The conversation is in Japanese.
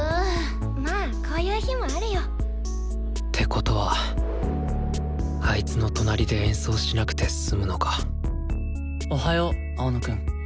まあこういう日もあるよ。ってことはあいつの隣で演奏しなくて済むのかおはよう青野くん。